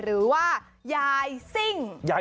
หรือว่ายายซิ่ง